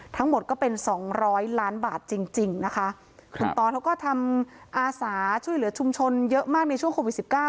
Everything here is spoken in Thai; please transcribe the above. ทั้งหมดก็เป็นสองร้อยล้านบาทจริงจริงนะคะคุณตอสเขาก็ทำอาสาช่วยเหลือชุมชนเยอะมากในช่วงโควิดสิบเก้า